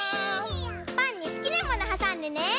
パンにすきなものはさんでね！